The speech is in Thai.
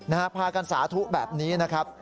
พากันสาธุแบบนี้นะครับ